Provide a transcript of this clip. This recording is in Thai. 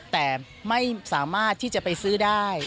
แต่ไม่สามารถที่จะไปซื้อได้